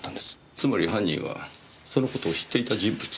つまり犯人はその事を知っていた人物。